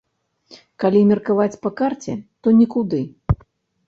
Калі меркаваць па карце, то нікуды.